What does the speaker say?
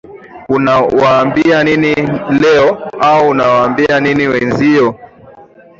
unawaambia nini leo au unamwambia nini mwenzio